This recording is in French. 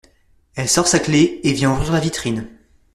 Elle sort sa clé et vient ouvrir la vitrine.